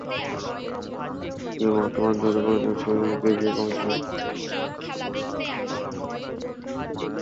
কিন্তু বর্তমানে যৌথ প্রযোজনার ছবির কোনো প্রিভিউ কমিটি নেই।